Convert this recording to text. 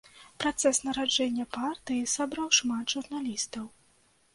Працэс нараджэння партыі сабраў шмат журналістаў.